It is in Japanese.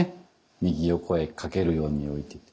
右横へかけるように置いて。